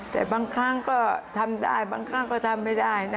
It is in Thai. แต่บางครั้งก็ทำได้บางครั้งก็ทำไม่ได้นะ